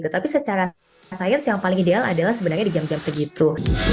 tapi secara sains yang paling ideal adalah sebenarnya di jam jam segitu